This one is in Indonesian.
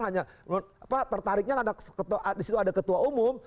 hanya apa tertariknya ada di situ ada ketua umum